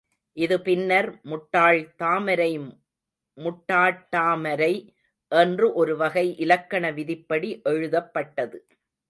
இது பின்னர் முட்டாள் தாமரை முட்டாட்டாமரை என்று ஒரு வகை இலக்கண விதிப்படி எழுதப்பட்டது.